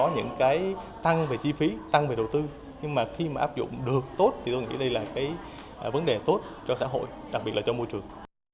nhưng mà khi mà áp dụng được tốt thì tôi nghĩ đây là cái vấn đề tốt cho xã hội đặc biệt là cho môi trường